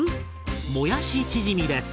もやしチヂミです。